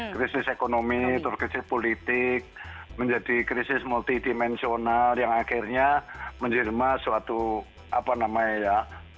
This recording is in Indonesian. krisis ekonomi atau krisis politik menjadi krisis multidimensional yang akhirnya menjelma suatu apa namanya ya